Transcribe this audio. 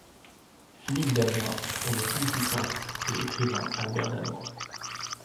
Philippe Dasnoy est le fils du peintre et écrivain Albert Dasnoy.